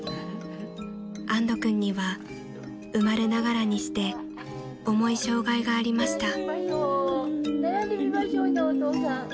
［安土君には生まれながらにして重い障害がありました］